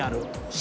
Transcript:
「Ｃ」